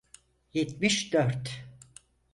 Yetmiş dört.